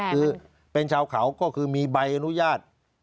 คือเป็นชาวเขาก็คือมีใบอนุญาต